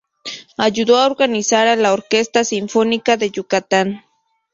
Ayudó a organizar a la Orquesta Sinfónica de Yucatán.